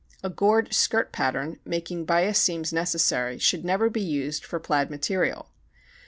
A gored skirt pattern making bias seams necessary should never be used for plaid material.